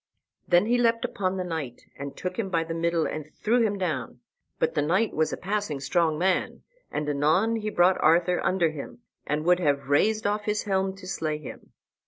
Then he leapt upon the knight, and took him by the middle and threw him down; but the knight was a passing strong man, and anon he brought Arthur under him, and would have razed off his helm to slay him.